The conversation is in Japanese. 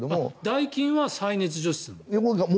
ダイキンは再熱除湿なの？